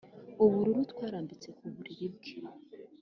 ubururu twarambitse ku buriri bwe.